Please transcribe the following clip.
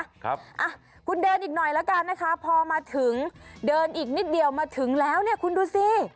ครับอ่ะคุณเดินอีกหน่อยละกันนะคะพอมาถึงเดินอีกนิดเดียวมาถึงแล้วเนี่ยคุณดูสิ